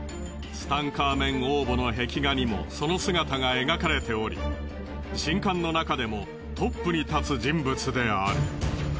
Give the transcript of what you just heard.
ツタンカーメン王墓の壁画にもその姿が描かれており神官の中でもトップに立つ人物である。